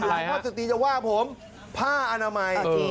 พ่อสตีจะว่าผมผ้าอนามัย